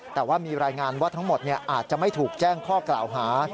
แต่ว่ามีรายงานว่าทั้งหมดอาจจะไม่ถูกแจ้งข้อกล่าวหา